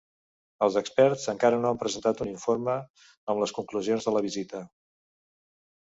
Els experts encara no han presentat un informe amb les conclusions de la visita.